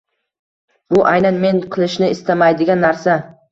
Bu aynan men qilishni istamaydigan narsa.